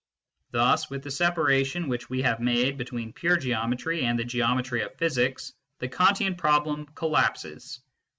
Thus, with the separation which we have made between pure geometry and the geometry of physics, the Kantian problem collapses.